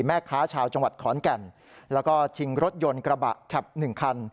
แม่ค้าชาวจังหวัดขอนแก่นแล้วก็ชิงรถยนต์กระบะแข็บ๑คัน